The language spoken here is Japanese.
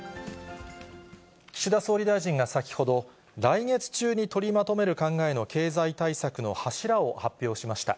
岸田総理大臣が先ほど、来月中に取りまとめる考えの経済対策の柱を発表しました。